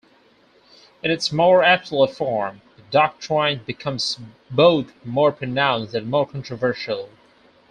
In its more absolute form, the doctrine becomes both more pronounced and more controversial.